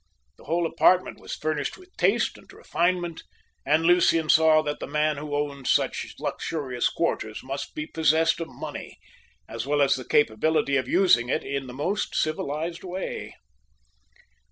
The whole apartment was furnished with taste and refinement, and Lucian saw that the man who owned such luxurious quarters must be possessed of money, as well as the capability of using it in the most civilised way.